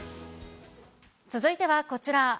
続いてはこちら。